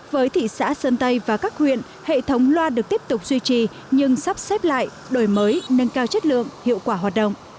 với thị xã sơn tây và các huyện hệ thống loa được tiếp tục duy trì nhưng sắp xếp lại đổi mới nâng cao chất lượng hiệu quả hoạt động